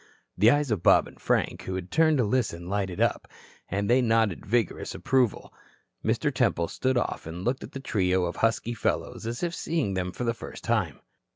The eyes of Bob and Frank, who had turned to listen, lighted up, and they nodded vigorous approval. Mr. Temple stood off and looked at the trio of husky fellows as if seeing them for the first time.